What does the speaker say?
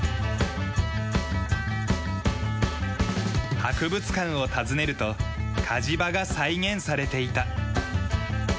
博物館を訪ねると鍛冶場が再現されていた。